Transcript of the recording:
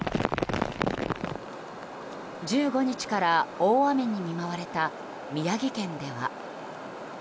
１５日から大雨に見舞われた宮城県では。